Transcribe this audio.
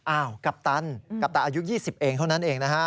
กัปตันกัปตันอายุ๒๐เองเท่านั้นเองนะฮะ